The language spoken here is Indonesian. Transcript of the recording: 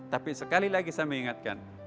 tapi sekali lagi saya mengingatkan